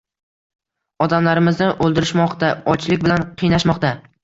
Odamlarimizni o‘ldirishmoqda, ochlik bilan qiynashmoqda